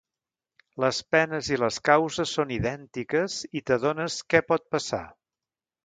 Les penes i les causes són idèntiques i t’adones què pot passar.